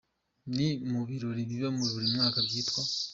Ni mu ibirori biba buri mwaka byitwa.